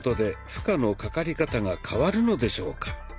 負荷のかかり方が変わるのでしょうか。